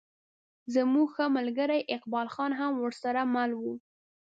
زموږ ښه ملګری اقبال خان هم ورسره مل و.